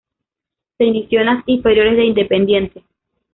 Se inició en las inferiores de Independiente.